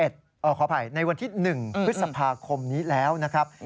ขออภัยในวันที่๑พฤษภาคมนี้แล้วนะครับ